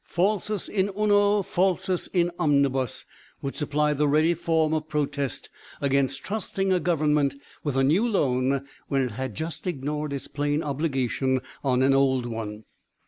"Falsus in uno, falsus in omnibus would supply the ready form of protest against trusting a Government with a new loan when it had just ignored its plain obligation on an old one.